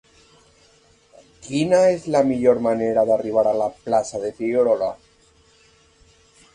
Quina és la millor manera d'arribar a la plaça de Figuerola?